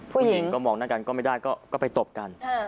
ผู้หญิงก็มองหน้ากันก็ไม่ได้ก็ไปตบกัน